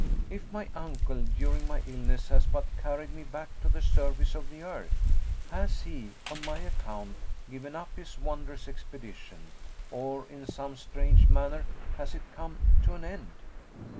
If my uncle, during my illness, has but carried me back to the surface of the earth! Has he, on my account, given up his wondrous expedition, or in some strange manner has it come to an end?"